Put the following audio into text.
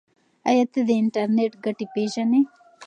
ایا ته د انټرنیټ ګټې پیژنې؟